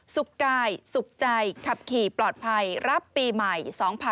กายสุขใจขับขี่ปลอดภัยรับปีใหม่๒๕๖๒